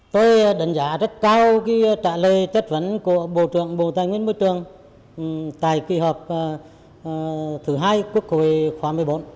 tôi đánh giá rất cao trả lời chất vấn của bộ trưởng bộ tài nguyên môi trường tại kỳ họp thứ hai quốc hội khóa một mươi bốn